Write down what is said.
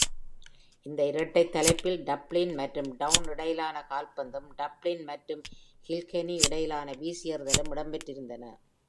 இந்த இரட்டைத் தலைப்பில் டப்ளின் மற்றும் டௌன் இடையிலான கால்பந்தும், டப்ளின் மற்றும் Kilkenny இடையிலான வீசியெறிதலும் இடம்பெற்றிருந்தன.